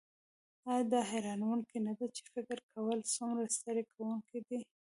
ایا دا حیرانوونکې نده چې فکر کول څومره ستړي کونکی دي